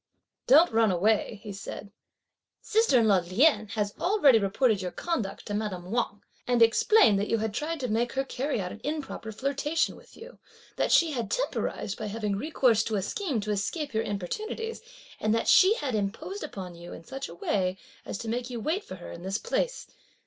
"Don't run away," he said; "sister in law Lien has already reported your conduct to madame Wang; and explained that you had tried to make her carry on an improper flirtation with you; that she had temporised by having recourse to a scheme to escape your importunities, and that she had imposed upon you in such a way as to make you wait for her in this place.